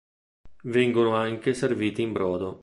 Vengono anche serviti in brodo.